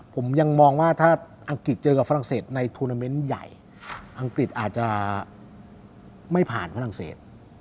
ผมยังมองว่าถ้าอังกฤษเจอกับฝรั่งเศสในทวนาเมนต์ใหญ่อังกฤษอาจจะไม่ผ่านฝรั่งเศส